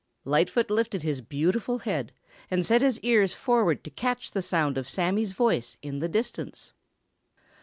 Lightfoot lifted his beautiful head and set his ears forward to catch the sound of Sammy's voice in the distance.